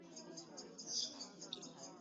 金川土司原仅指小金川土司。